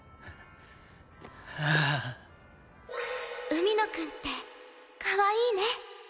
海野くんってかわいいね！